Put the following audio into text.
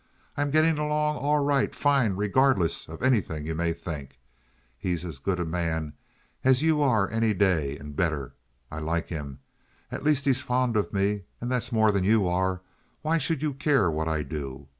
I am getting along all right—fine—regardless of anything you may think. He's as good a man as you are any day, and better. I like him. At least he's fond of me, and that's more than you are. Why should you care what I do?